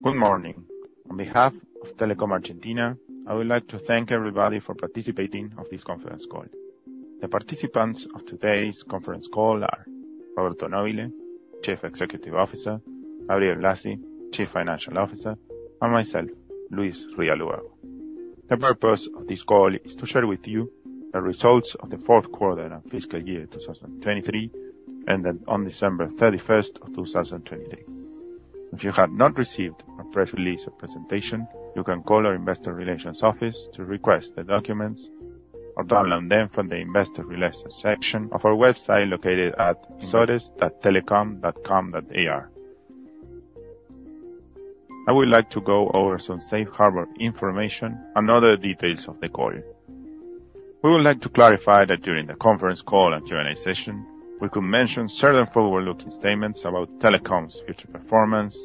Good morning. On behalf of Telecom Argentina, I would like to thank everybody for participating in this conference call. The participants of today's conference call are Roberto Nobile, Chief Executive Officer; Gabriel Blasi, Chief Financial Officer; and myself, Luis F. Rial Ubago. The purpose of this call is to share with you the results of the 4th quarter of fiscal year 2023 ended on December 31, 2023. If you have not received a press release or presentation, you can call our Investor Relations Office to request the documents or download them from the Investor Relations section of our website located at inversores.telecom.com.ar. I would like to go over some safe harbor information and other details of the call. We would like to clarify that during the conference call and Q&A session, we could mention certain forward-looking statements about Telecom's future performance,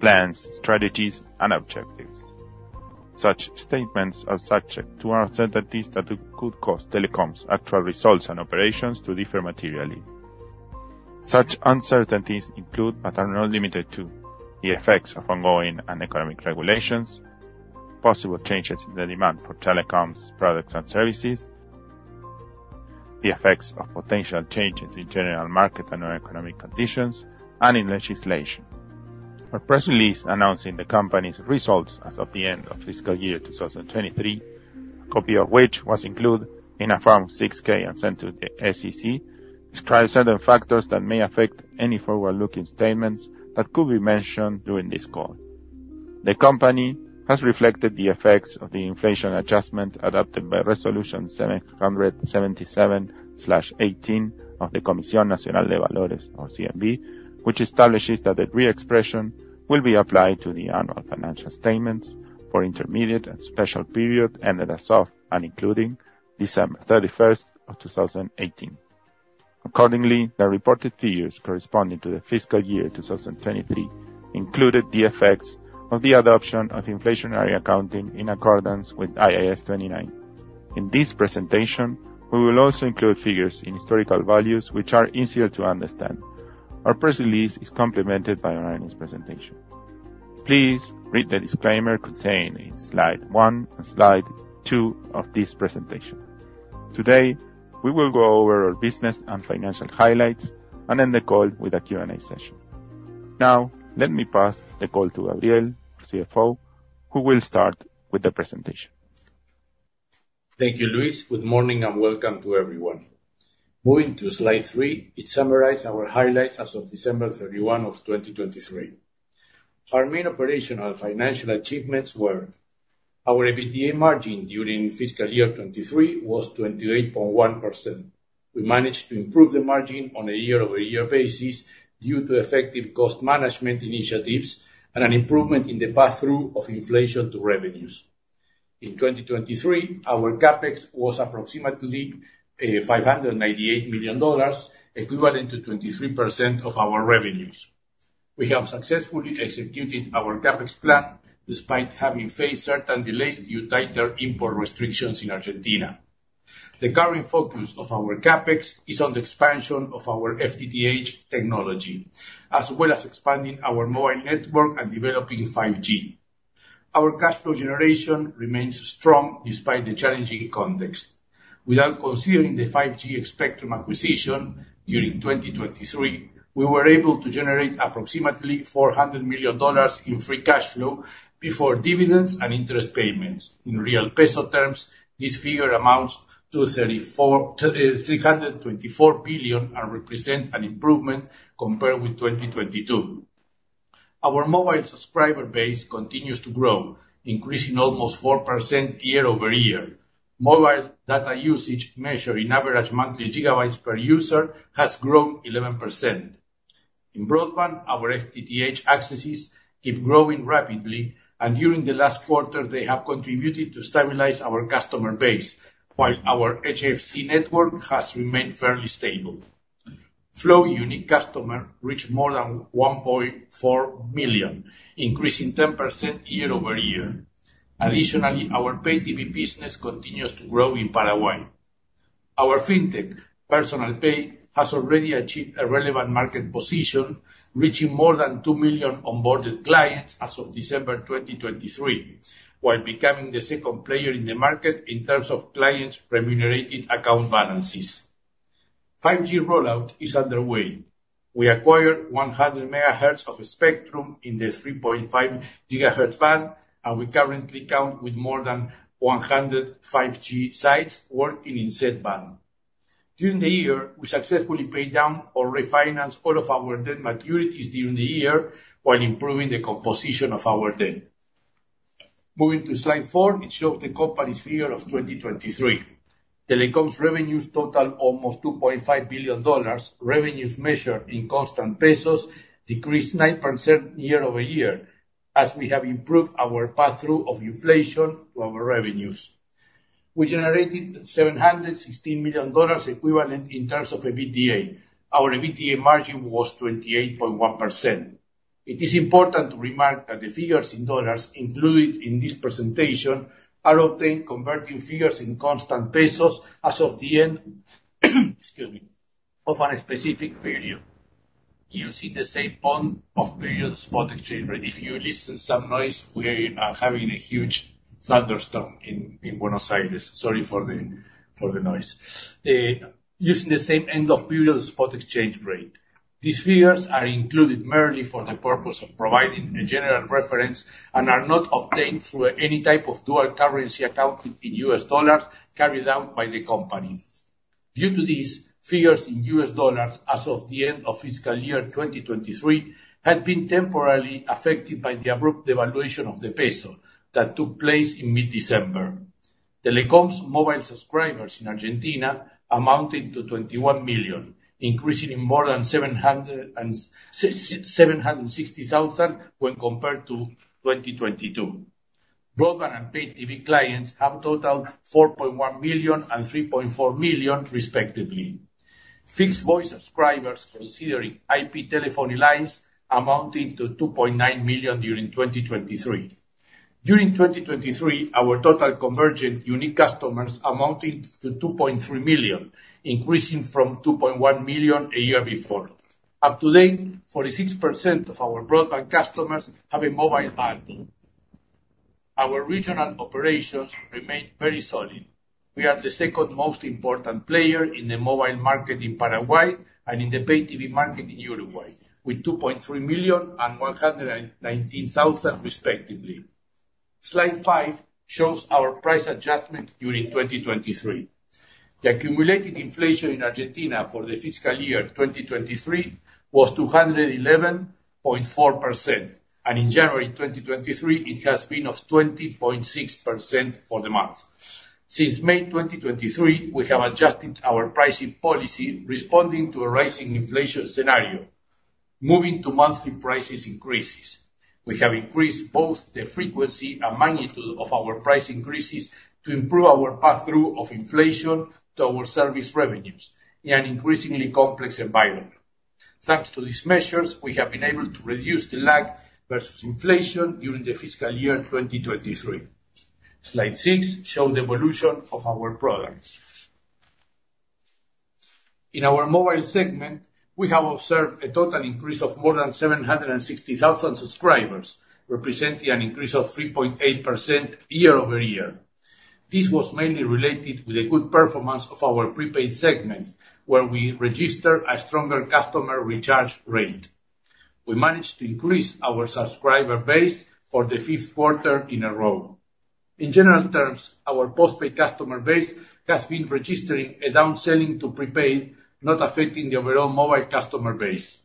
plans, strategies, and objectives. Such statements are subject to uncertainties that could cause Telecom's actual results and operations to differ materially. Such uncertainties include but are not limited to: the effects of ongoing and economic regulations, possible changes in the demand for Telecom's products and services, the effects of potential changes in general market and economic conditions, and in legislation. Our press release announcing the company's results as of the end of fiscal year 2023, a copy of which was included in a Form 6-K and sent to the SEC, describes certain factors that may affect any forward-looking statements that could be mentioned during this call. The company has reflected the effects of the inflation adjustment adopted by Resolution 777/18 of the Comisión Nacional de Valores (CNV), which establishes that the re-expression will be applied to the annual financial statements for intermediate and special period ended as of and including December 31st, 2018. Accordingly, the reported figures corresponding to the fiscal year 2023 included the effects of the adoption of inflationary accounting in accordance with IAS 29. In this presentation, we will also include figures in historical values which are easier to understand. Our press release is complemented by an earnings presentation. Please read the disclaimer contained in Slide 1 and Slide 2 of this presentation. Today, we will go over our business and financial highlights and end the call with a Q&A session. Now, let me pass the call to Gabriel, our CFO, who will start with the presentation. Thank you, Luis. Good morning and welcome to everyone. Moving to Slide 3, it summarizes our highlights as of December 31, 2023. Our main operational and financial achievements were: our EBITDA margin during fiscal year 2023 was 28.1%. We managed to improve the margin on a year-over-year basis due to effective cost management initiatives and an improvement in the pass-through of inflation to revenues. In 2023, our CapEx was approximately $598 million, equivalent to 23% of our revenues. We have successfully executed our CapEx plan despite having faced certain delays due to tighter import restrictions in Argentina. The current focus of our CapEx is on the expansion of our FTTH technology, as well as expanding our mobile network and developing 5G. Our cash flow generation remains strong despite the challenging context. Without considering the 5G spectrum acquisition during 2023, we were able to generate approximately $400 million in free cash flow before dividends and interest payments. In real peso terms, this figure amounts to 324 billion and represents an improvement compared with 2022. Our mobile subscriber base continues to grow, increasing almost 4% year-over-year. Mobile data usage, measured in average monthly gigabytes per user, has grown 11%. In broadband, our FTTH accesses keep growing rapidly, and during the last quarter, they have contributed to stabilize our customer base, while our HFC network has remained fairly stable. Flow unique customers reached more than 1.4 million, increasing 10% year-over-year. Additionally, our pay TV business continues to grow in Paraguay. Our fintech, Personal Pay, has already achieved a relevant market position, reaching more than 2 million onboarded clients as of December 2023, while becoming the second player in the market in terms of clients' remunerated account balances. 5G rollout is underway. We acquired 100 MHz of spectrum in the 3.5 GHz band, and we currently count with more than 100 5G sites working in said band. During the year, we successfully paid down or refinanced all of our debt maturities during the year while improving the composition of our debt. Moving to Slide 4, it shows the company's figure of 2023. Telecom's revenues totaled almost $2.5 billion. Revenues, measured in constant pesos, decreased 9% year-over-year as we have improved our pass-through of inflation to our revenues. We generated $716 million equivalent in terms of EBITDA. Our EBITDA margin was 28.1%. It is important to remark that the figures in dollars included in this presentation are obtained converting figures in constant pesos as of the end of a specific period. You see the same on-off period spot exchange rate. If you listen to some noise, we are having a huge thunderstorm in Buenos Aires. Sorry for the noise. Using the same end-of-period spot exchange rate. These figures are included merely for the purpose of providing a general reference and are not obtained through any type of dual-currency accounting in U.S. dollars carried out by the company. Due to this, figures in U.S. dollars as of the end of fiscal year 2023 had been temporarily affected by the abrupt devaluation of the peso that took place in mid-December. Telecom's mobile subscribers in Argentina amounted to 21 million, increasing in more than 760,000 when compared to 2022. Broadband and pay TV clients have totaled 4.1 million and 3.4 million, respectively. Fixed-voice subscribers including IP telephony lines amounted to 2.9 million during 2023. During 2023, our total convergent unique customers amounted to 2.3 million, increasing from 2.1 million a year before. To date, 46% of our broadband customers have a mobile bundle. Our regional operations remain very solid. We are the second most important player in the mobile market in Paraguay and in the pay TV market in Uruguay, with 2.3 million and 119,000, respectively. Slide 5 shows our price adjustment during 2023. The accumulated inflation in Argentina for the fiscal year 2023 was 211.4%, and in January 2023, it has been of 20.6% for the month. Since May 2023, we have adjusted our pricing policy responding to a rising inflation scenario, moving to monthly price increases. We have increased both the frequency and magnitude of our price increases to improve our pass-through of inflation to our service revenues in an increasingly complex environment. Thanks to these measures, we have been able to reduce the lag versus inflation during the fiscal year 2023. Slide 6 shows the evolution of our products. In our mobile segment, we have observed a total increase of more than 760,000 subscribers, representing an increase of 3.8% year-over-year. This was mainly related with a good performance of our prepaid segment, where we registered a stronger customer recharge rate. We managed to increase our subscriber base for the fifth quarter in a row. In general terms, our postpaid customer base has been registering a downselling to prepaid, not affecting the overall mobile customer base.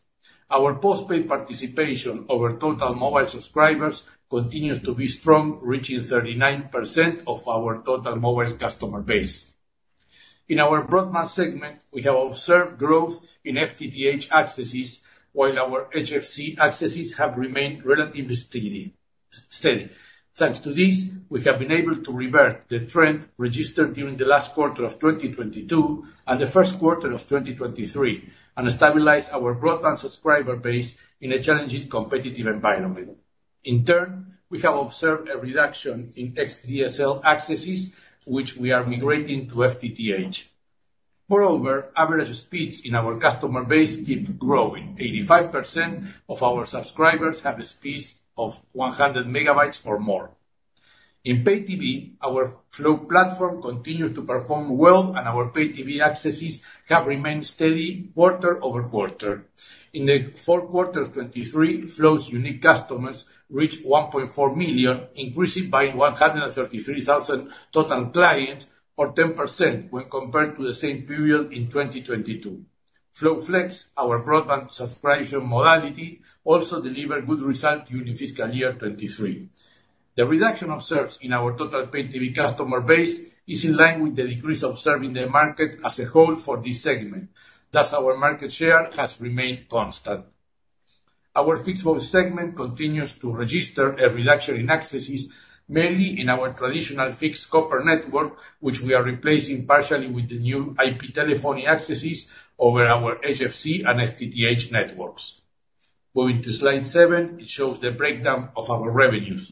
Our postpaid participation over total mobile subscribers continues to be strong, reaching 39% of our total mobile customer base. In our broadband segment, we have observed growth in FTTH accesses, while our HFC accesses have remained relatively steady. Thanks to this, we have been able to revert the trend registered during the last quarter of 2022 and the first quarter of 2023 and stabilize our broadband subscriber base in a challenging competitive environment. In turn, we have observed a reduction in xDSL accesses, which we are migrating to FTTH. Moreover, average speeds in our customer base keep growing. 85% of our subscribers have a speed of 100 MB or more. In pay TV, our Flow platform continues to perform well, and our pay TV accesses have remained steady quarter-over-quarter. In the fourth quarter of 2023, Flow unique customers reached 1.4 million, increasing by 133,000 total clients, or 10% when compared to the same period in 2022. Flow Flex, our broadband subscription modality, also delivered good results during fiscal year 2023. The reduction observed in our total pay TV customer base is in line with the decrease observed in the market as a whole for this segment. Thus, our market share has remained constant. Our fixed-voice segment continues to register a reduction in accesses, mainly in our traditional fixed copper network, which we are replacing partially with the new IP telephony accesses over our HFC and FTTH networks. Moving to Slide 7, it shows the breakdown of our revenues.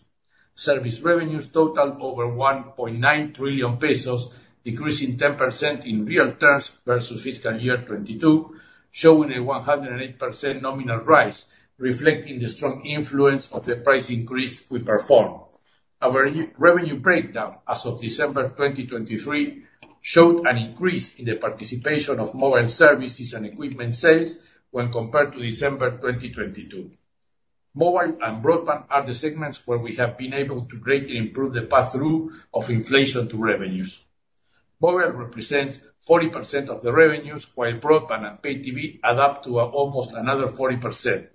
Service revenues totaled over 1.9 trillion pesos, decreasing 10% in real terms versus fiscal year 2022, showing a 108% nominal rise, reflecting the strong influence of the price increase we performed. Our revenue breakdown as of December 2023 showed an increase in the participation of mobile services and equipment sales when compared to December 2022. Mobile and broadband are the segments where we have been able to greatly improve the pass-through of inflation to revenues. Mobile represents 40% of the revenues, while broadband and pay TV add up to almost another 40%.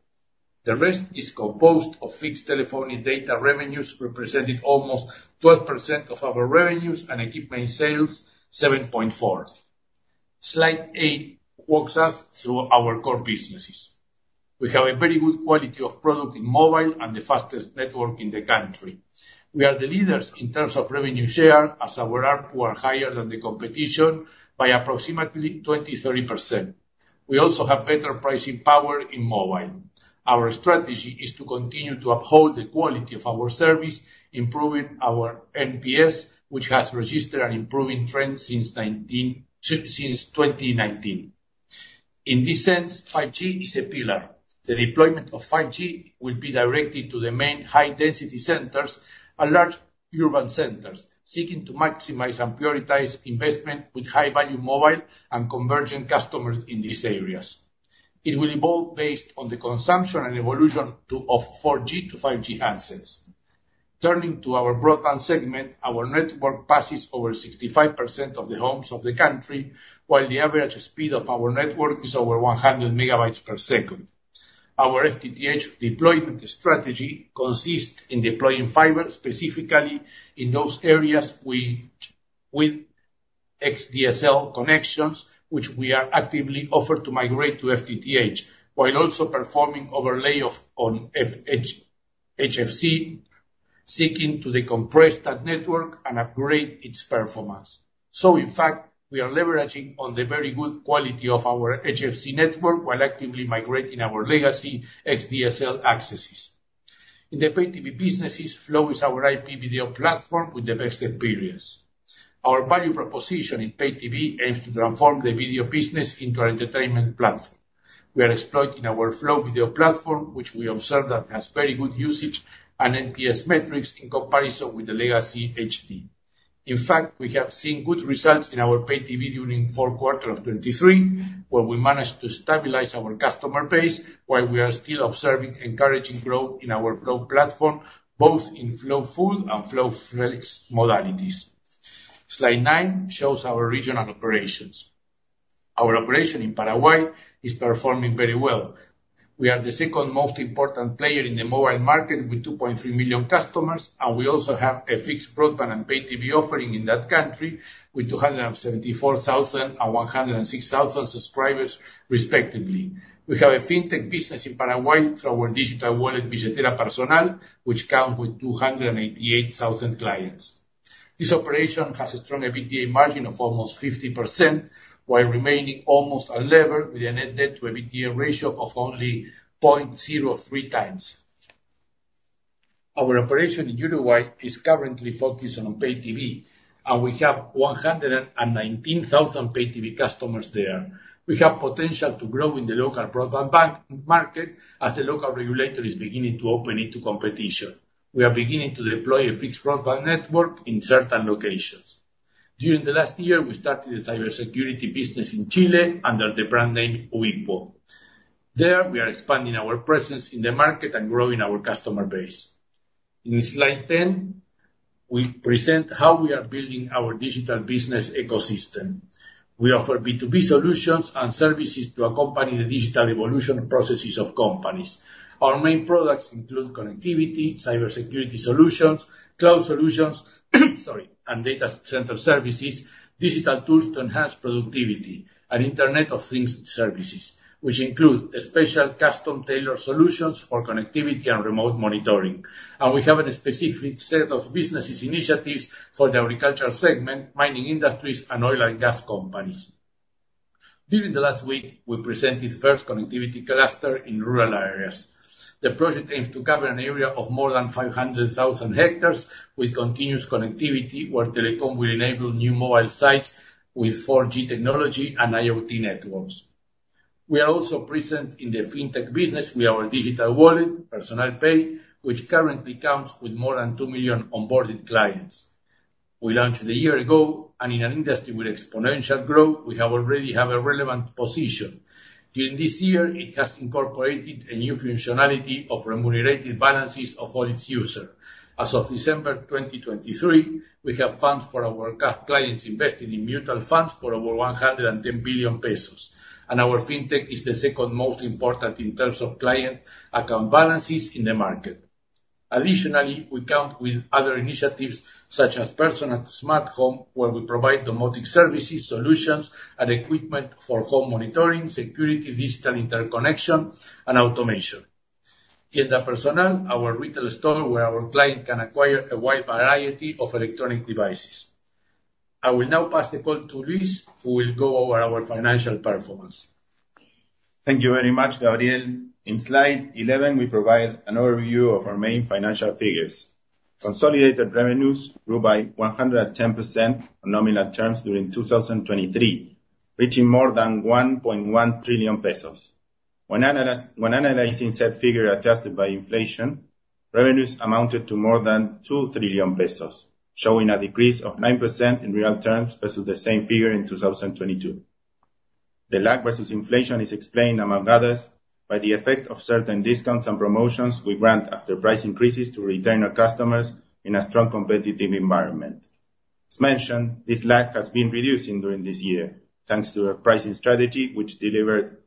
The rest is composed of fixed telephony data revenues, representing almost 12% of our revenues, and equipment sales, 7.4%. Slide 8 walks us through our core businesses. We have a very good quality of product in mobile and the fastest network in the country. We are the leaders in terms of revenue share, as our ARPUs are higher than the competition by approximately 20%-30%. We also have better pricing power in mobile. Our strategy is to continue to uphold the quality of our service, improving our NPS, which has registered an improving trend since 2019. In this sense, 5G is a pillar. The deployment of 5G will be directed to the main high-density centers and large urban centers, seeking to maximize and prioritize investment with high-value mobile and convergent customers in these areas. It will evolve based on the consumption and evolution of 4G to 5G handsets. Turning to our broadband segment, our network passes over 65% of the homes of the country, while the average speed of our network is over 100 Mbps. Our FTTH deployment strategy consists in deploying fiber specifically in those areas with xDSL connections, which we are actively offered to migrate to FTTH, while also performing overlay on HFC, seeking to decompress that network and upgrade its performance. So, in fact, we are leveraging on the very good quality of our HFC network while actively migrating our legacy xDSL accesses. In the pay TV businesses, Flow is our IP video platform with the best experience. Our value proposition in pay TV aims to transform the video business into an entertainment platform. We are exploiting our Flow video platform, which we observe that has very good usage and NPS metrics in comparison with the legacy HD. In fact, we have seen good results in our pay TV during the fourth quarter of 2023, where we managed to stabilize our customer base, while we are still observing encouraging growth in our Flow platform, both in Flow Full and Flow Flex modalities. Slide 9 shows our regional operations. Our operation in Paraguay is performing very well. We are the second most important player in the mobile market with 2.3 million customers, and we also have a fixed broadband and pay TV offering in that country with 274,000 and 106,000 subscribers, respectively. We have a fintech business in Paraguay through our digital wallet, Billetera Personal, which counts with 288,000 clients. This operation has a strong EBITDA margin of almost 50%, while remaining almost unlevered with a net debt-to-EBITDA ratio of only 0.03 times. Our operation in Uruguay is currently focused on pay TV, and we have 119,000 pay TV customers there. We have potential to grow in the local broadband market as the local regulator is beginning to open it to competition. We are beginning to deploy a fixed broadband network in certain locations. During the last year, we started a cybersecurity business in Chile under the brand name Ubiquo. There, we are expanding our presence in the market and growing our customer base. In Slide 10, we present how we are building our digital business ecosystem. We offer B2B solutions and services to accompany the digital evolution processes of companies. Our main products include connectivity, cybersecurity solutions, cloud solutions, sorry, and data center services, digital tools to enhance productivity, and Internet of Things services, which include special custom-tailored solutions for connectivity and remote monitoring. We have a specific set of business initiatives for the agriculture segment, mining industries, and oil and gas companies. During the last week, we presented the first connectivity cluster in rural areas. The project aims to cover an area of more than 500,000 hectares with continuous connectivity, where Telecom will enable new mobile sites with 4G technology and IoT networks. We are also present in the fintech business with our digital wallet, Personal Pay, which currently counts with more than 2 million onboarded clients. We launched it a year ago, and in an industry with exponential growth, we already have a relevant position. During this year, it has incorporated a new functionality of remunerated balances of all its users. As of December 2023, we have funds for our custom clients invested in mutual funds for over $110 billion, and our fintech is the second most important in terms of client account balances in the market. Additionally, we count with other initiatives such as Personal Smart Home, where we provide domestic services, solutions, and equipment for home monitoring, security, digital interconnection, and automation. Tienda Personal, our retail store where our clients can acquire a wide variety of electronic devices. I will now pass the call to Luis, who will go over our financial performance. Thank you very much, Gabriel. In Slide 11, we provide an overview of our main financial figures. Consolidated revenues grew by 110% on nominal terms during 2023, reaching more than 1.1 trillion pesos. When analyzing said figure adjusted by inflation, revenues amounted to more than 2 trillion pesos, showing a decrease of 9% in real terms versus the same figure in 2022. The lag versus inflation is explained, among others, by the effect of certain discounts and promotions we grant after price increases to retainer customers in a strong competitive environment. As mentioned, this lag has been reducing during this year thanks to our pricing strategy, which delivered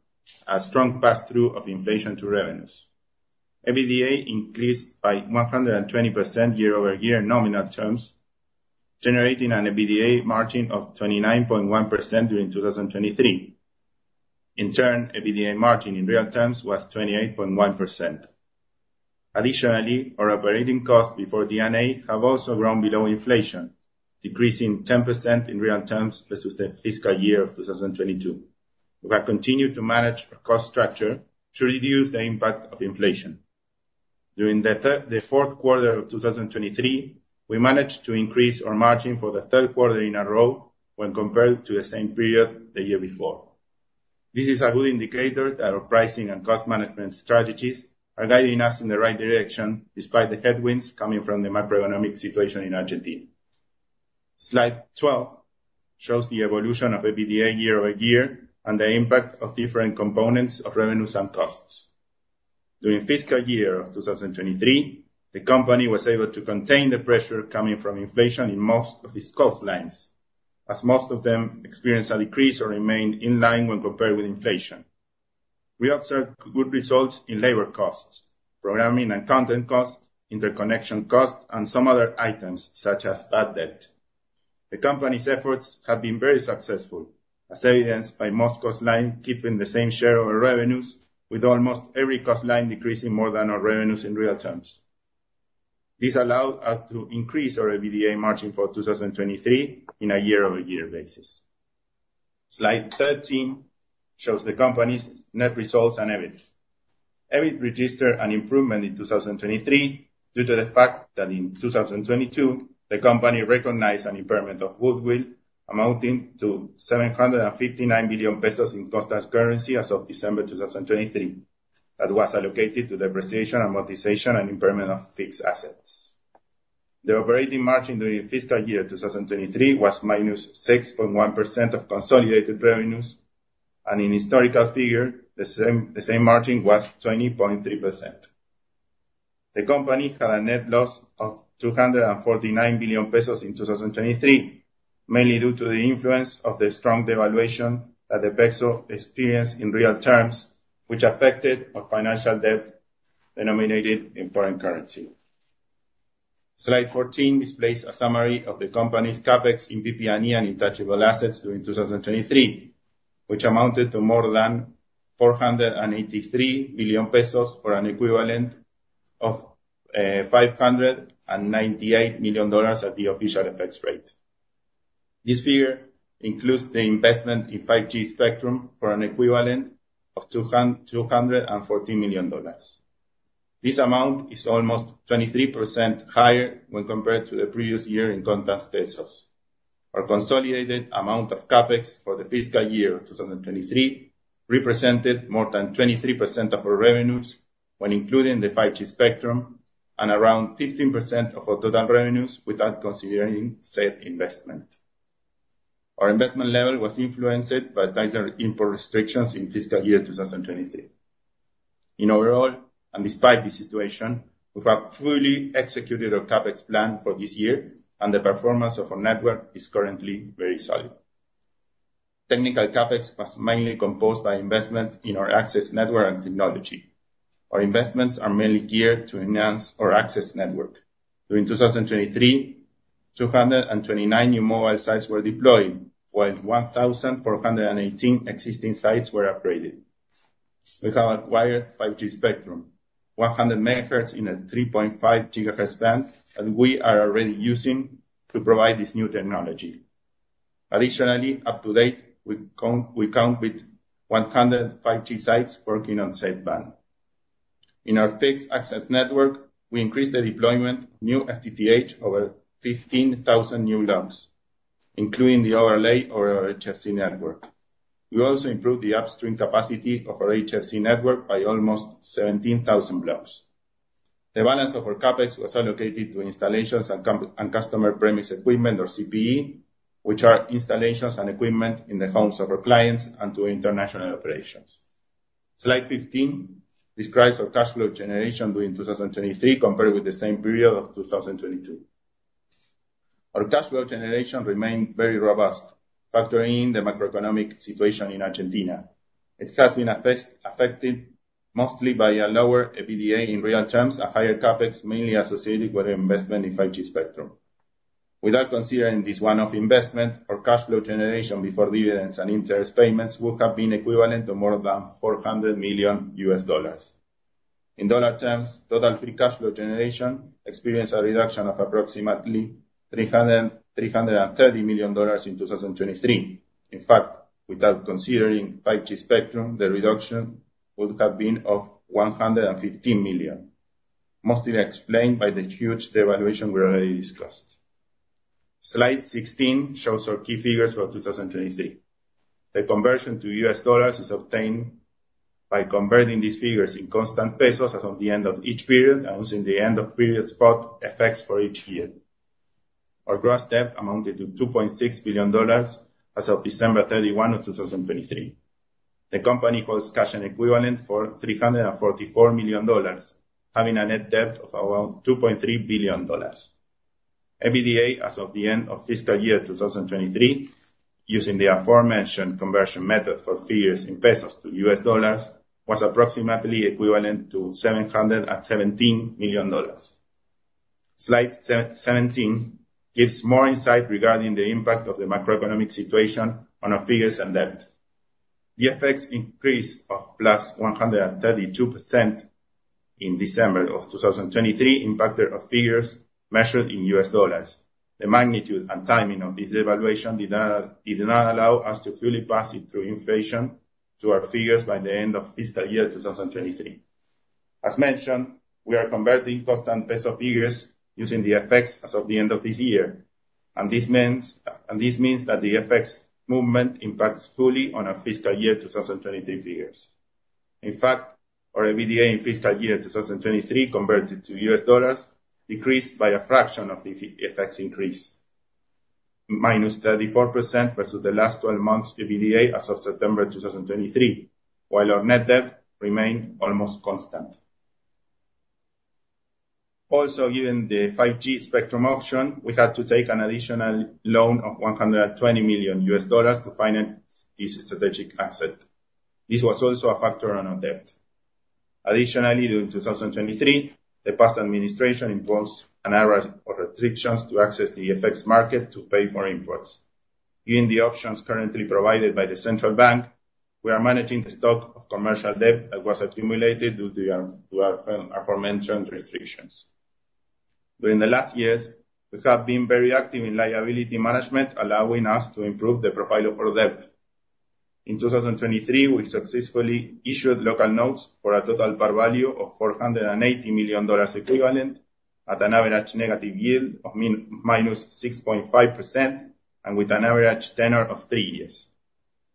a strong pass-through of inflation to revenues. EBITDA increased by 120% year-over-year on nominal terms, generating an EBITDA margin of 29.1% during 2023. In turn, EBITDA margin in real terms was 28.1%. Additionally, our operating costs before D&A have also grown below inflation, decreasing 10% in real terms versus the fiscal year of 2022. We have continued to manage our cost structure to reduce the impact of inflation. During the fourth quarter of 2023, we managed to increase our margin for the third quarter in a row when compared to the same period the year before. This is a good indicator that our pricing and cost management strategies are guiding us in the right direction despite the headwinds coming from the macroeconomic situation in Argentina. Slide 12 shows the evolution of EBITDA year-over-year and the impact of different components of revenues and costs. During the fiscal year of 2023, the company was able to contain the pressure coming from inflation in most of its cost lines, as most of them experienced a decrease or remained in line when compared with inflation. We observed good results in labor costs, programming and content costs, interconnection costs, and some other items such as bad debt. The company's efforts have been very successful, as evidenced by most cost lines keeping the same share of revenues, with almost every cost line decreasing more than our revenues in real terms. This allowed us to increase our EBITDA margin for 2023 on a year-over-year basis. Slide 13 shows the company's net results and EBIT. EBIT registered an improvement in 2023 due to the fact that in 2022, the company recognized an impairment of goodwill amounting to 759 billion pesos in constant currency as of December 2023 that was allocated to depreciation, amortization, and impairment of fixed assets. The operating margin during the fiscal year 2023 was -6.1% of consolidated revenues, and in historical figure, the same margin was 20.3%. The company had a net loss of 249 billion pesos in 2023, mainly due to the influence of the strong devaluation that the peso experienced in real terms, which affected our financial debt denominated in foreign currency. Slide 14 displays a summary of the company's CapEx in PP&E and intangible assets during 2023, which amounted to more than 483 billion pesos for an equivalent of $598 million at the official exchange rate. This figure includes the investment in 5G spectrum for an equivalent of $214 million. This amount is almost 23% higher when compared to the previous year in constant pesos. Our consolidated amount of CapEx for the fiscal year of 2023 represented more than 23% of our revenues when including the 5G spectrum and around 15% of our total revenues without considering said investment. Our investment level was influenced by tighter import restrictions in the fiscal year 2023. In overall, and despite this situation, we have fully executed our CapEx plan for this year, and the performance of our network is currently very solid. Technical CapEx was mainly composed by investment in our access network and technology. Our investments are mainly geared to enhance our access network. During 2023, 229 new mobile sites were deployed, while 1,418 existing sites were upgraded. We have acquired 5G spectrum, 100 MHz in a 3.5 GHz band that we are already using to provide this new technology. Additionally, up-to-date, we count with 100 5G sites working on said band. In our fixed access network, we increased the deployment of new FTTH over 15,000 new homes, including the overlay over our HFC network. We also improved the upstream capacity of our HFC network by almost 17,000 homes. The balance of our CapEx was allocated to installations and customer premise equipment, or CPE, which are installations and equipment in the homes of our clients and to international operations. Slide 15 describes our cash flow generation during 2023 compared with the same period of 2022. Our cash flow generation remained very robust, factoring in the macroeconomic situation in Argentina. It has been affected mostly by a lower EBITDA in real terms and higher CapEx mainly associated with investment in 5G spectrum. Without considering this one-off investment, our cash flow generation before dividends and interest payments would have been equivalent to more than $400 million. In dollar terms, total free cash flow generation experienced a reduction of approximately $330 million in 2023. In fact, without considering 5G spectrum, the reduction would have been of $115 million, mostly explained by the huge devaluation we already discussed. Slide 16 shows our key figures for 2023. The conversion to U.S. dollars is obtained by converting these figures in constant pesos as of the end of each period and using the end-of-period spot FX for each year. Our gross debt amounted to $2.6 billion as of December 31, 2023. The company holds cash and equivalent for $344 million, having a net debt of around $2.3 billion. EBITDA as of the end of fiscal year 2023, using the aforementioned conversion method for figures in pesos to U.S. dollars, was approximately equivalent to $717 million. Slide 17 gives more insight regarding the impact of the macroeconomic situation on our figures and debt. The FX increase of +132% in December of 2023 impacted our figures measured in U.S. dollars. The magnitude and timing of this devaluation did not allow us to fully pass it through inflation to our figures by the end of fiscal year 2023. As mentioned, we are converting constant peso figures using the FX as of the end of this year, and this means that the FX movement impacts fully on our fiscal year 2023 figures. In fact, our EBITDA in fiscal year 2023 converted to U.S. dollars decreased by a fraction of the FX increase, -34% versus the last 12 months' EBITDA as of September 2023, while our net debt remained almost constant. Also, given the 5G spectrum option, we had to take an additional loan of $120 million to finance this strategic asset. This was also a factor on our debt. Additionally, during 2023, the past administration imposed an array of restrictions to access the FX market to pay for imports. Given the options currently provided by the Central Bank, we are managing the stock of commercial debt that was accumulated due to our aforementioned restrictions. During the last years, we have been very active in liability management, allowing us to improve the profile of our debt. In 2023, we successfully issued local notes for a total par value of $480 million equivalent at an average negative yield of -6.5% and with an average tenor of three years.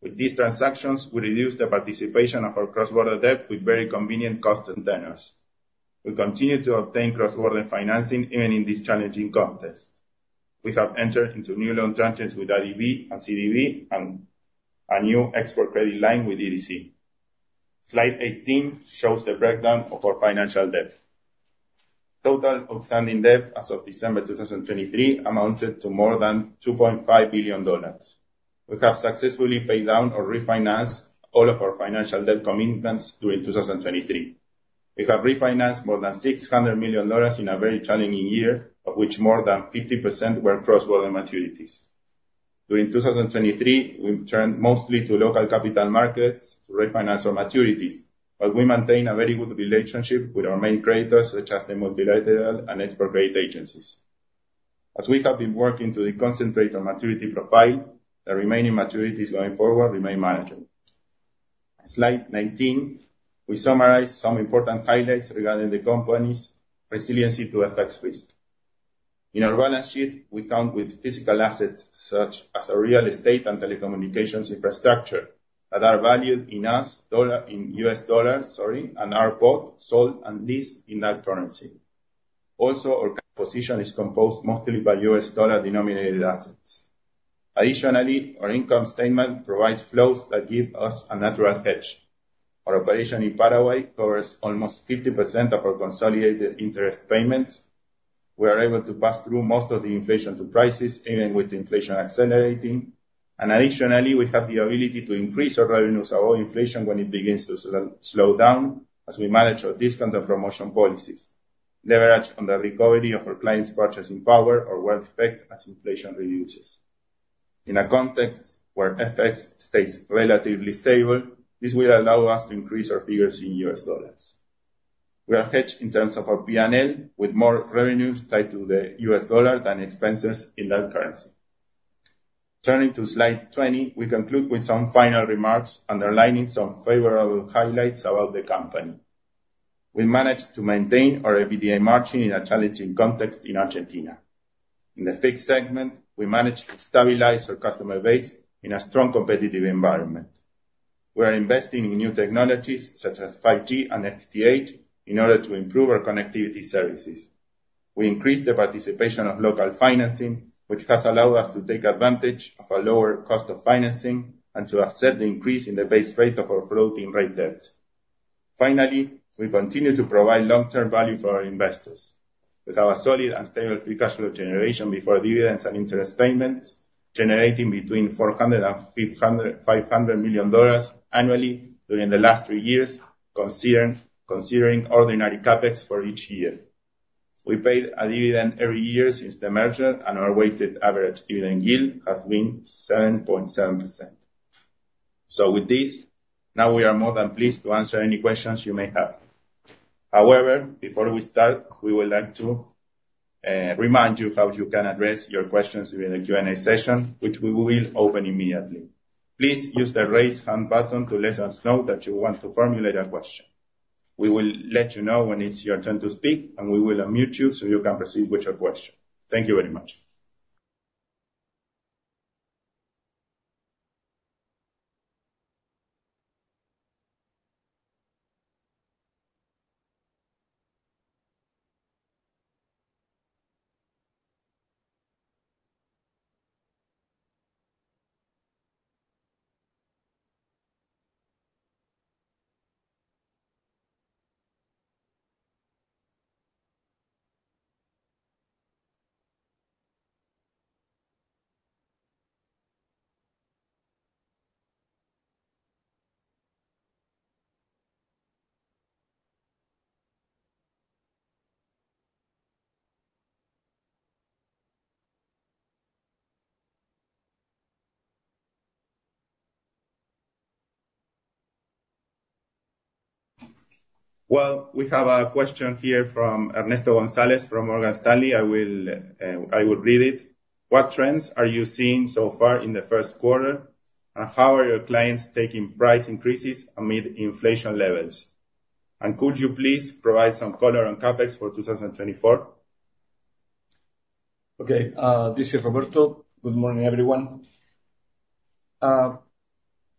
With these transactions, we reduced the participation of our cross-border debt with very convenient cost tenors. We continue to obtain cross-border financing even in this challenging context. We have entered into new loan tranches with IDB and CDB and a new export credit line with EDC. Slide 18 shows the breakdown of our financial debt. Total outstanding debt as of December 2023 amounted to more than $2.5 billion. We have successfully paid down or refinanced all of our financial debt commitments during 2023. We have refinanced more than $600 million in a very challenging year, of which more than 50% were cross-border maturities. During 2023, we turned mostly to local capital markets to refinance our maturities, but we maintain a very good relationship with our main creditors, such as the multilateral and export credit agencies. As we have been working to deconcentrate our maturity profile, the remaining maturities going forward remain manageable. Slide 19, we summarize some important highlights regarding the company's resiliency to FX risk. In our balance sheet, we count with physical assets such as real estate and telecommunications infrastructure that are valued in U.S. dollars and are both sold and leased in that currency. Also, our position is composed mostly by U.S. dollar-denominated assets. Additionally, our income statement provides flows that give us a natural edge. Our operation in Paraguay covers almost 50% of our consolidated interest payments. We are able to pass through most of the inflation to prices even with inflation accelerating. Additionally, we have the ability to increase our revenues above inflation when it begins to slow down as we manage our discount and promotion policies, leveraged on the recovery of our clients' purchasing power or wealth effect as inflation reduces. In a context where FX stay relatively stable, this will allow us to increase our figures in US dollars. We are hedged in terms of our P&L with more revenues tied to the U.S. dollar than expenses in that currency. Turning to Slide 20, we conclude with some final remarks underlining some favorable highlights about the company. We managed to maintain our EBITDA margin in a challenging context in Argentina. In the fixed segment, we managed to stabilize our customer base in a strong competitive environment. We are investing in new technologies such as 5G and FTTH in order to improve our connectivity services. We increased the participation of local financing, which has allowed us to take advantage of a lower cost of financing and to accept the increase in the base rate of our floating rate debt. Finally, we continue to provide long-term value for our investors. We have a solid and stable free cash flow generation before dividends and interest payments, generating between $400 million-$500 million annually during the last three years, considering ordinary CapEx for each year. We paid a dividend every year since the merger, and our weighted average dividend yield has been 7.7%. So with this, now we are more than pleased to answer any questions you may have. However, before we start, we would like to remind you how you can address your questions during the Q&A session, which we will open immediately. Please use the raise hand button to let us know that you want to formulate a question. We will let you know when it's your turn to speak, and we will unmute you so you can proceed with your question. Thank you very much. Well, we have a question here from Ernesto Gonzalez from Morgan Stanley. I will read it. "What trends are you seeing so far in the first quarter, and how are your clients taking price increases amid inflation levels? And could you please provide some color on CapEx for 2024?" Okay. This is Roberto. Good morning, everyone.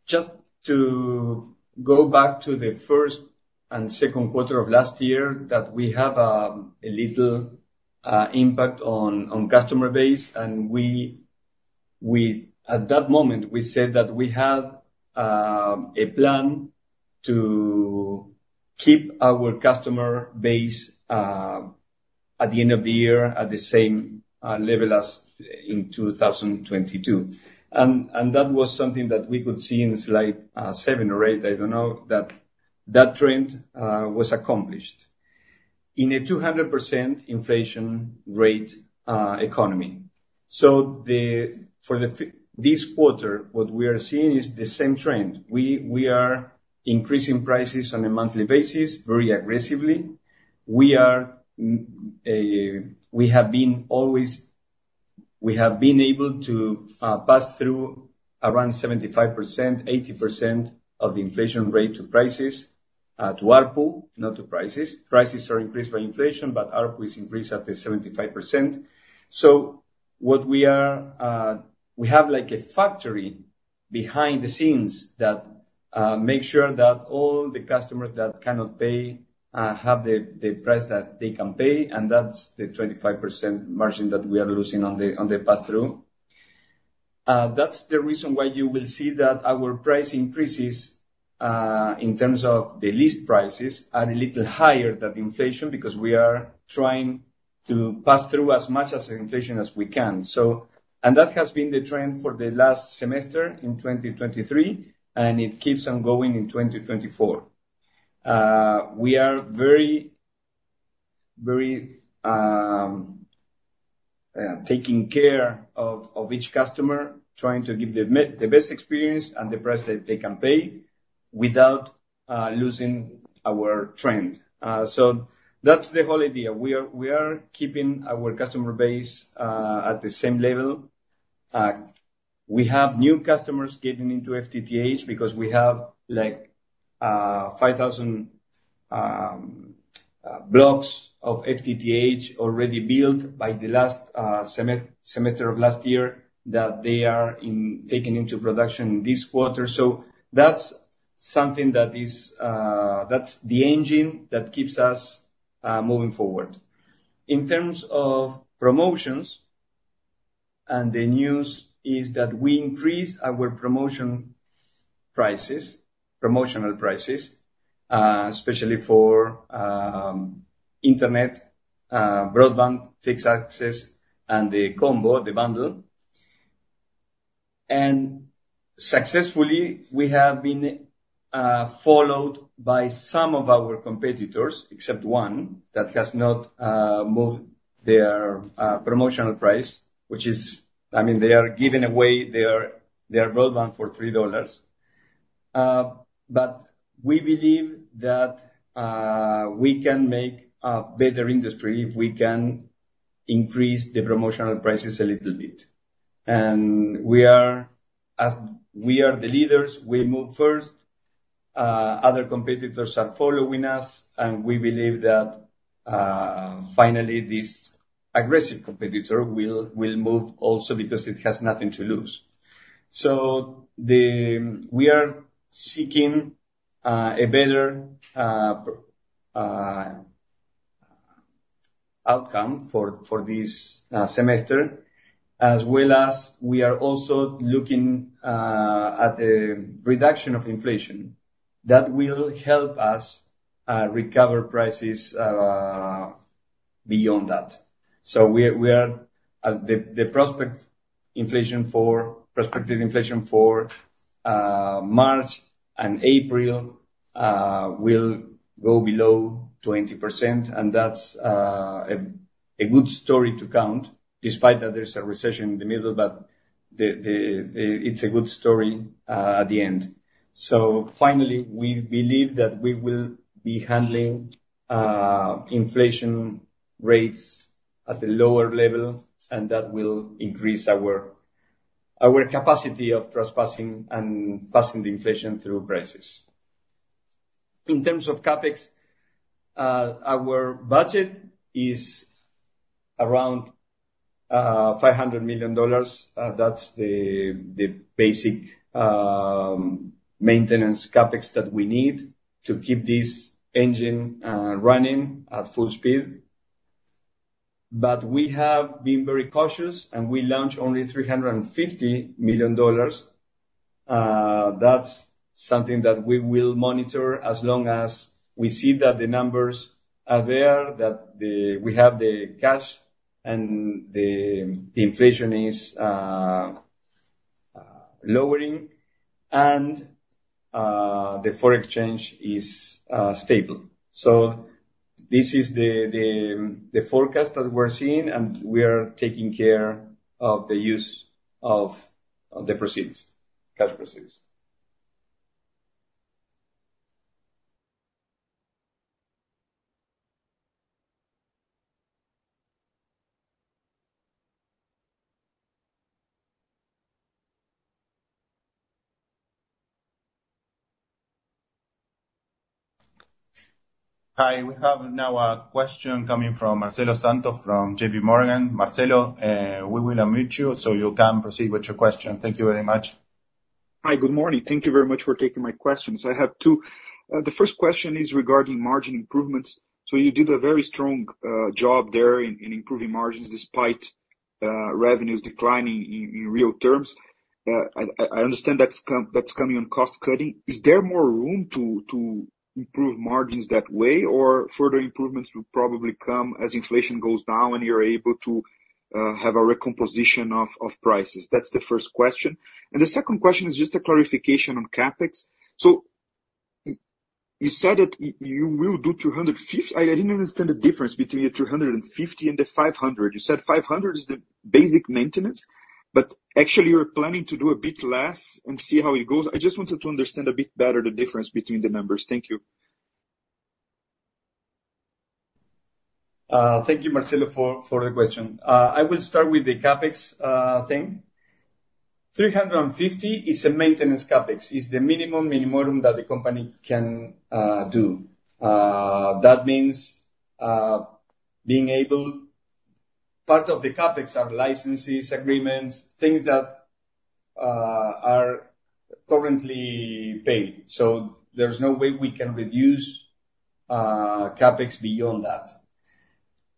Just to go back to the first and second quarter of last year, we have a little impact on customer base. At that moment, we said that we had a plan to keep our customer base at the end of the year at the same level as in 2022. That was something that we could see in Slide 7 or Slide 8. I don't know. That trend was accomplished in a 200% inflation rate economy. So for this quarter, what we are seeing is the same trend. We are increasing prices on a monthly basis very aggressively. We have always been able to pass through around 75%-80% of the inflation rate to prices, to ARPU, not to prices. Prices are increased by inflation, but ARPU is increased at the 75%. So we have a factor behind the scenes that makes sure that all the customers that cannot pay have the price that they can pay, and that's the 25% margin that we are losing on the pass-through. That's the reason why you will see that our price increases in terms of the leased prices are a little higher than inflation because we are trying to pass through as much of inflation as we can. And that has been the trend for the last semester in 2023, and it keeps on going in 2024. We are very taking care of each customer, trying to give the best experience and the price that they can pay without losing our trend. So that's the whole idea. We are keeping our customer base at the same level. We have new customers getting into FTTH because we have 5,000 blocks of FTTH already built by the last semester of last year that they are taking into production this quarter. So that's something that's the engine that keeps us moving forward. In terms of promotions, the news is that we increased our promotional prices, especially for internet, broadband, fixed access, and the combo, the bundle. Successfully, we have been followed by some of our competitors, except one that has not moved their promotional price, which is, I mean, they are giving away their broadband for $3. But we believe that we can make a better industry if we can increase the promotional prices a little bit. We are the leaders. We move first. Other competitors are following us, and we believe that, finally, this aggressive competitor will move also because it has nothing to lose. We are seeking a better outcome for this semester, as well as we are also looking at the reduction of inflation. That will help us recover prices beyond that. So the prospect inflation for March and April will go below 20%, and that's a good story to count, despite that there's a recession in the middle. But it's a good story at the end. So finally, we believe that we will be handling inflation rates at a lower level, and that will increase our capacity of trespassing and passing the inflation through prices. In terms of CapEx, our budget is around $500 million. That's the basic maintenance CapEx that we need to keep this engine running at full speed. But we have been very cautious, and we launched only $350 million. That's something that we will monitor as long as we see that the numbers are there, that we have the cash, and the inflation is lowering, and the foreign exchange is stable. So this is the forecast that we're seeing, and we are taking care of the use of the cash proceeds. Hi. We have now a question coming from Marcelo Santos from JPMorgan. Marcelo, we will unmute you so you can proceed with your question. Thank you very much. Hi. Good morning. Thank you very much for taking my questions. I have two. The first question is regarding margin improvements. So you did a very strong job there in improving margins despite revenues declining in real terms. I understand that's coming on cost cutting. Is there more room to improve margins that way, or further improvements will probably come as inflation goes down and you're able to have a recomposition of prices? That's the first question. And the second question is just a clarification on CapEx. So you said that you will do $250. I didn't understand the difference between the $250 million and the $500 million. You said $500 million is the basic maintenance, but actually, you're planning to do a bit less and see how it goes. I just wanted to understand a bit better the difference between the numbers. Thank you. Thank you, Marcelo, for the question. I will start with the CapEx thing. $350 million is a maintenance CapEx. It's the minimum minimorum that the company can do. That means being able part of the CapEx are licenses, agreements, things that are currently paid. So there's no way we can reduce CapEx beyond that.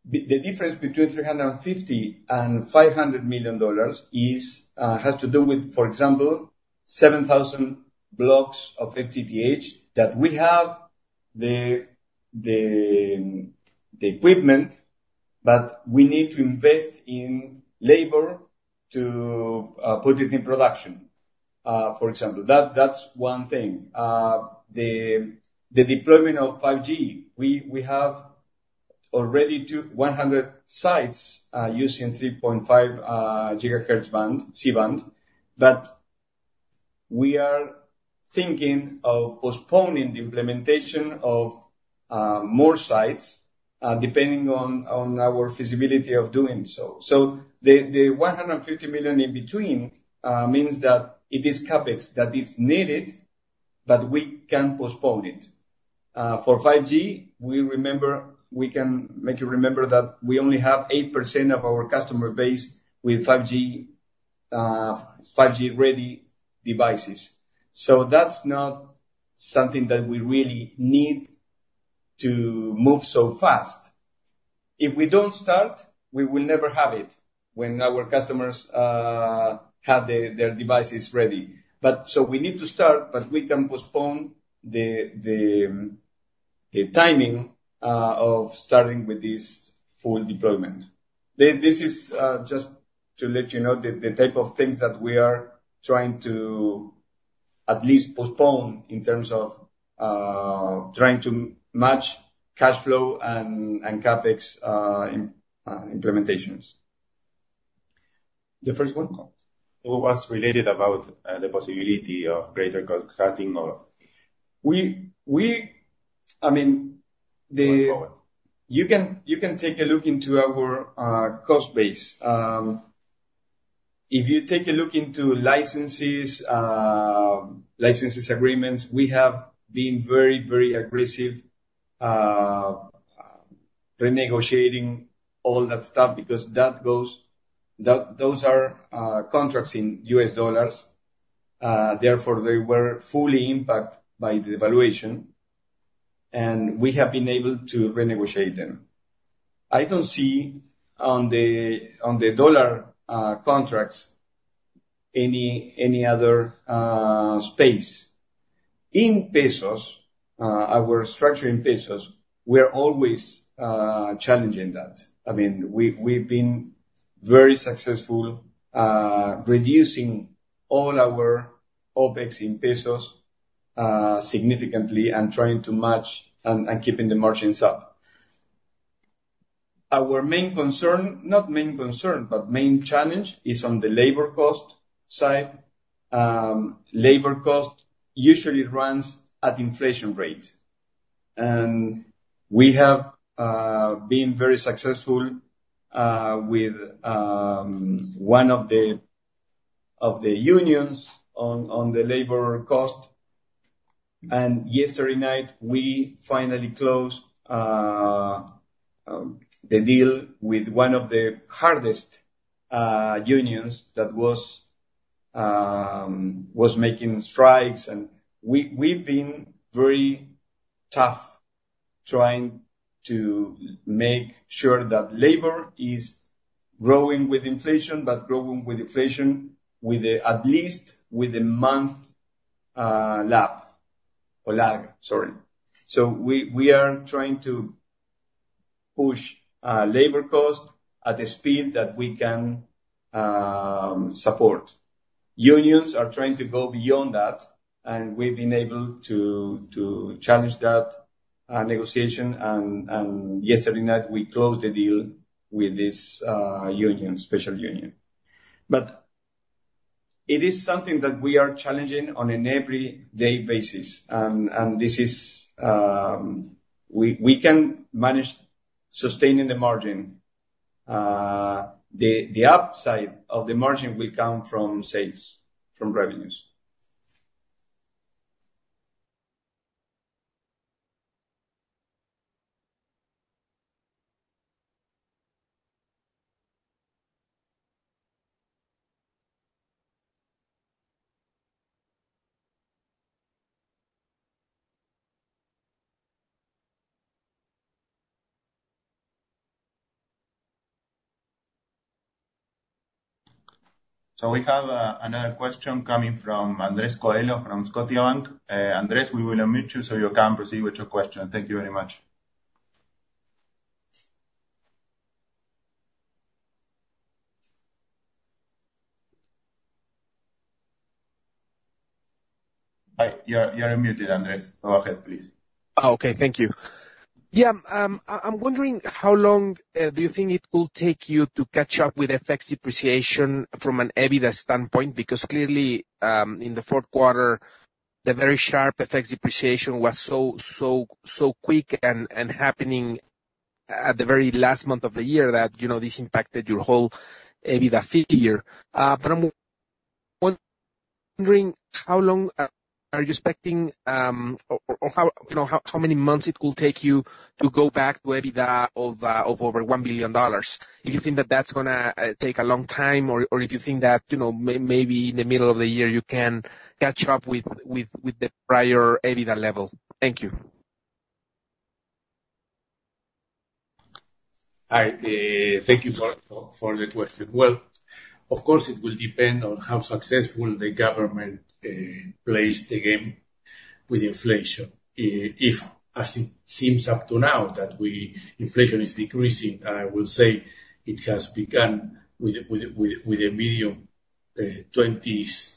The difference between $350 million and $500 million has to do with, for example, 7,000 blocks of FTTH that we have, the equipment, but we need to invest in labor to put it in production, for example. That's one thing. The deployment of 5G, we have already 100 sites using 3.5 GHz C-band, but we are thinking of postponing the implementation of more sites depending on our feasibility of doing so. So the $150 million in between means that it is CapEx that is needed, but we can postpone it. For 5G, we remember we can make you remember that we only have 8% of our customer base with 5G-ready devices. So that's not something that we really need to move so fast. If we don't start, we will never have it when our customers have their devices ready. So we need to start, but we can postpone the timing of starting with this full deployment. This is just to let you know the type of things that we are trying to at least postpone in terms of trying to match cash flow and CapEx implementations. The first one. It was related about the possibility of greater cost cutting. I mean, go ahead. You can take a look into our cost base. If you take a look into licenses, licenses agreements, we have been very, very aggressive renegotiating all that stuff because those are contracts in U.S. dollars. Therefore, they were fully impacted by the valuation, and we have been able to renegotiate them. I don't see on the dollar contracts any other space. In pesos, our structure in pesos, we're always challenging that. I mean, we've been very successful reducing all our OpEx in pesos significantly and trying to match and keeping the margins up. Our main concern not main concern, but main challenge is on the labor cost side. Labor cost usually runs at inflation rate. We have been very successful with one of the unions on the labor cost. And yesterday night, we finally closed the deal with one of the hardest unions that was making strikes. And we've been very tough trying to make sure that labor is growing with inflation, but growing with inflation at least with a month lag, sorry. So we are trying to push labor cost at a speed that we can support. Unions are trying to go beyond that, and we've been able to challenge that negotiation. And yesterday night, we closed the deal with this union, special union. But it is something that we are challenging on an every day basis. And we can manage sustaining the margin. The upside of the margin will come from sales, from revenues. So we have another question coming from Andres Coello from Scotiabank. Andres, we will unmute you so you can proceed with your question. Thank you very much. Hi. You're unmuted, Andres. Go ahead, please. Okay. Thank you. Yeah. I'm wondering, how long do you think it will take you to catch up with FX depreciation from an EBITDA standpoint? Because clearly, in the fourth quarter, the very sharp FX depreciation was so, so, so quick and happening at the very last month of the year that this impacted your whole EBITDA figure. But I'm wondering, how long are you expecting or how many months it will take you to go back to EBITDA of over $1 billion? Do you think that that's going to take a long time, or do you think that maybe in the middle of the year, you can catch up with the prior EBITDA level? Thank you. Hi. Thank you for the question. Well, of course, it will depend on how successful the government plays the game with inflation. As it seems up to now that inflation is decreasing, and I will say it has begun with a mid-20s.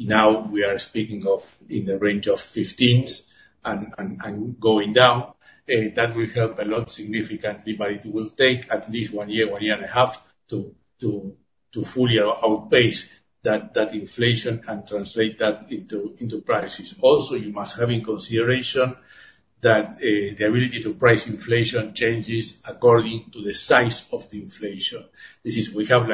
Now, we are speaking of in the range of 15s and going down. That will help a lot significantly, but it will take at least 1 year, 1 year and a half to fully outpace that inflation and translate that into prices. Also, you must have in consideration that the ability to price inflation changes according to the size of the inflation. We have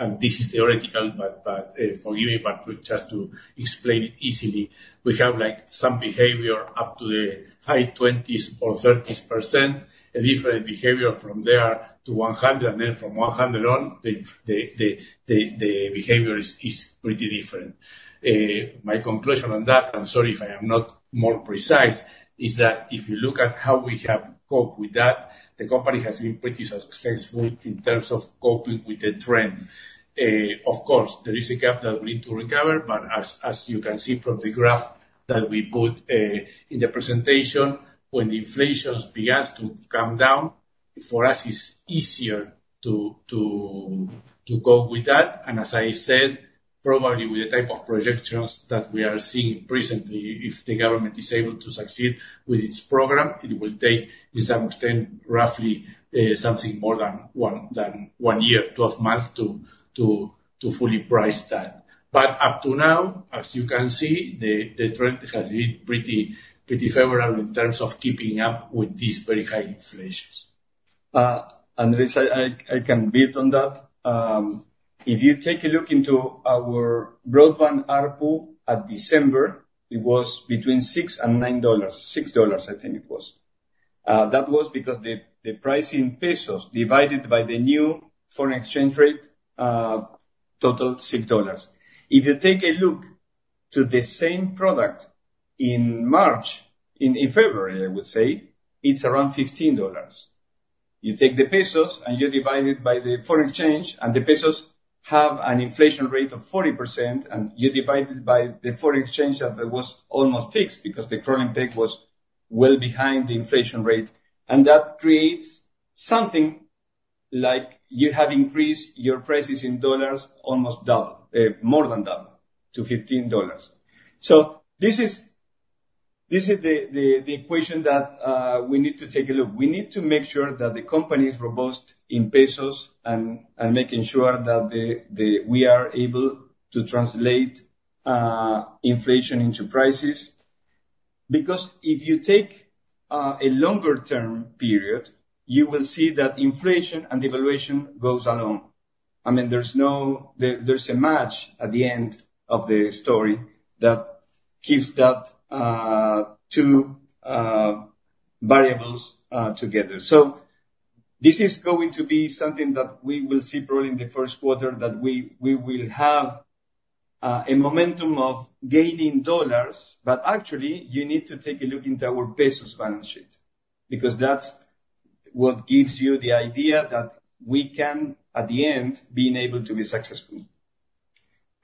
and this is theoretical, but forgive me, but just to explain it easily, we have some behavior up to the high 20s or 30s%, a different behavior from there to 100, and then from 100 on, the behavior is pretty different. My conclusion on that, and sorry if I am not more precise, is that if you look at how we have coped with that, the company has been pretty successful in terms of coping with the trend. Of course, there is a gap that we need to recover, but as you can see from the graph that we put in the presentation, when inflation begins to come down, for us, it's easier to cope with that. As I said, probably with the type of projections that we are seeing presently, if the government is able to succeed with its program, it will take, to some extent, roughly something more than one year, 12 months, to fully price that. But up to now, as you can see, the trend has been pretty favorable in terms of keeping up with these very high inflations. Andrés, I can bid on that. If you take a look into our broadband ARPU at December, it was between $6 and $9, $6, I think it was. That was because the price in pesos divided by the new foreign exchange rate totaled $6. If you take a look to the same product in March in February, I would say, it's around $15. You take the pesos and you divide it by the foreign exchange, and the pesos have an inflation rate of 40%, and you divide it by the foreign exchange that was almost fixed because the crawling peg was well behind the inflation rate. And that creates something like you have increased your prices in dollars almost double, more than double, to $15. So this is the equation that we need to take a look. We need to make sure that the company is robust in pesos and making sure that we are able to translate inflation into prices. Because if you take a longer-term period, you will see that inflation and devaluation goes along. I mean, there's a match at the end of the story that keeps that two variables together. So this is going to be something that we will see probably in the first quarter, that we will have a momentum of gaining dollars. But actually, you need to take a look into our pesos balance sheet because that's what gives you the idea that we can, at the end, be able to be successful.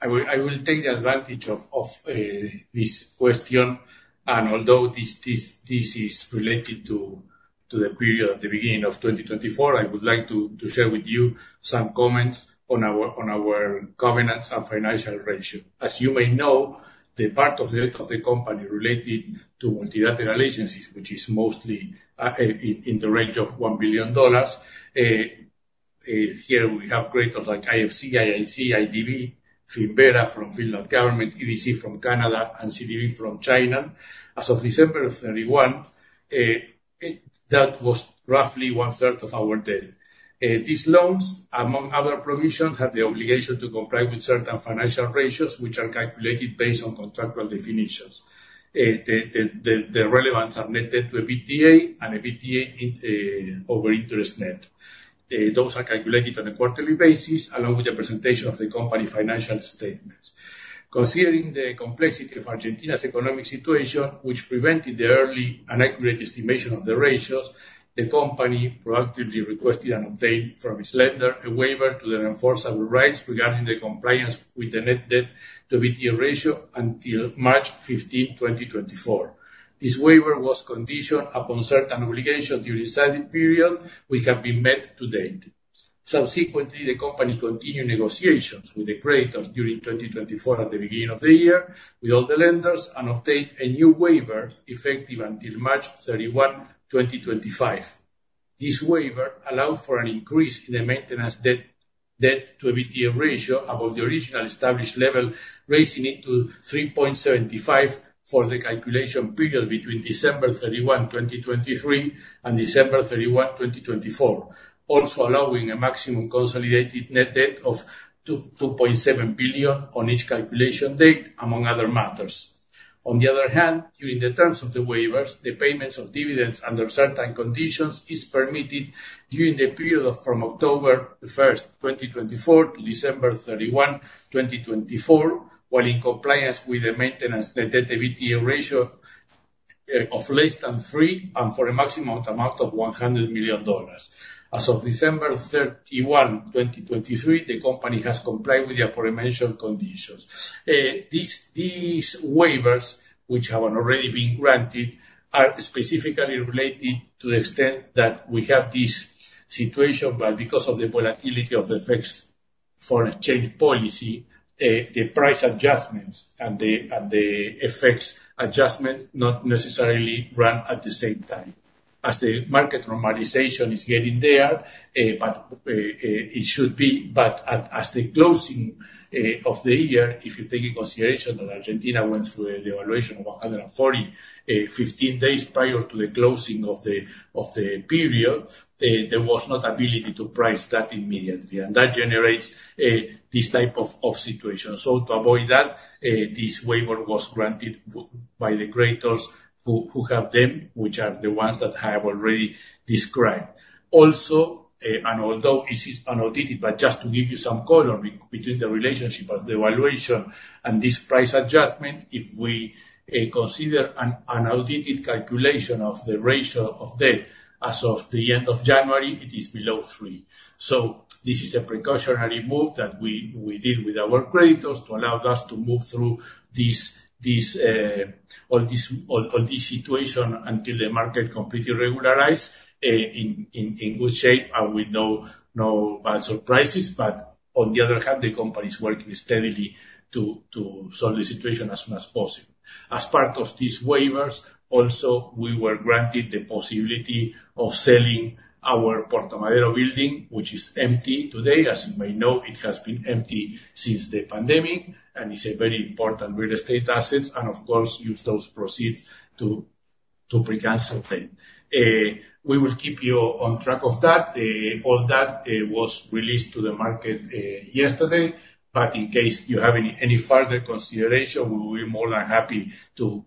I will take the advantage of this question. And although this is related to the period at the beginning of 2024, I would like to share with you some comments on our covenants and financial ratio. As you may know, the part of the company related to multilateral agencies, which is mostly in the range of $1 billion, here we have great ones like IFC, IIC, IDB, Finnvera from the Finnish government, EDC from Canada, and CDB from China. As of December 31, that was roughly 1/3 of our debt. These loans, among other provisions, have the obligation to comply with certain financial ratios, which are calculated based on contractual definitions. The relevant ratios are net debt to EBITDA and EBITDA over net interest. Those are calculated on a quarterly basis along with the presentation of the company financial statements. Considering the complexity of Argentina's economic situation, which prevented the early and accurate estimation of the ratios, the company proactively requested and obtained from its lender a waiver to the enforceable rights regarding the compliance with the net debt to EBITDA ratio until March 15, 2024. This waiver was conditioned upon certain obligations during the period which have been met to date. Subsequently, the company continued negotiations with the creditors during 2024 at the beginning of the year with all the lenders and obtained a new waiver effective until March 31, 2025. This waiver allowed for an increase in the maintenance debt-to-a EBITDA ratio above the original established level, raising it to 3.75 for the calculation period between December 31, 2023, and December 31, 2024, also allowing a maximum consolidated net debt of $2.7 billion on each calculation date, among other matters. On the other hand, during the terms of the waivers, the payments of dividends under certain conditions are permitted during the period from October 1, 2024, to December 31, 2024, while in compliance with the maintenance net debt to EBITDA ratio of less than three and for a maximum amount of $100 million. As of December 31, 2023, the company has complied with the aforementioned conditions. These waivers, which have already been granted, are specifically related to the extent that we have this situation, but because of the volatility of the Fed's foreign exchange policy, the price adjustments and the FX adjustments not necessarily run at the same time. As the market normalization is getting there, but it should be, but as the closing of the year, if you take into consideration that Argentina went through a devaluation of 140% 15 days prior to the closing of the period, there was not ability to price that immediately. And that generates this type of situation. So to avoid that, this waiver was granted by the creditors who have them, which are the ones that I have already described. Also, and although it is unaudited, but just to give you some color between the relationship of devaluation and this price adjustment, if we consider an unaudited calculation of the ratio of debt as of the end of January, it is below three. So this is a precautionary move that we did with our creditors to allow us to move through all this situation until the market completely regularized in good shape and with no surprises. But on the other hand, the company is working steadily to solve the situation as soon as possible. As part of these waivers, also, we were granted the possibility of selling our Puerto Madero building, which is empty today. As you may know, it has been empty since the pandemic, and it's a very important real estate asset. And of course, use those proceeds to pre-cancel them. We will keep you on track of that. All that was released to the market yesterday. But in case you have any further consideration, we will be more than happy to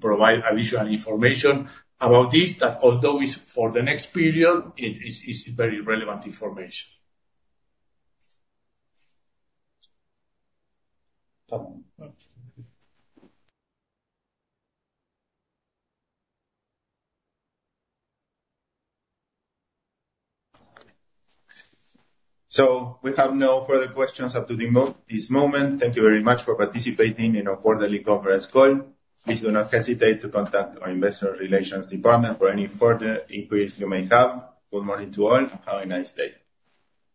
provide additional information about this, that although it's for the next period, it's very relevant information. We have no further questions up to this moment. Thank you very much for participating in our quarterly conference call. Please do not hesitate to contact our investor relations department for any further inquiries you may have. Good morning to all and have a nice day.